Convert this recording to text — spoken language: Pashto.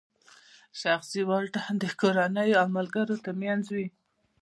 شخصي واټن د کورنۍ او ملګرو ترمنځ وي.